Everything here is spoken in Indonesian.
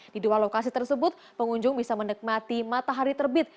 di dua lokasi tersebut pengunjung bisa menikmati matahari terbit